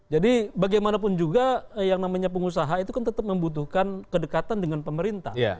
jadi bagaimanapun juga yang namanya pengusaha itu kan tetap membutuhkan kedekatan dengan pemerintah